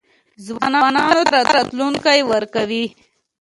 ځوانانو ته راتلونکی ورکوي.